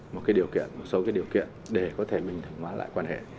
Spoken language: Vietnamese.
một số cái điều kiện để có thể mình thỏa lại quan hệ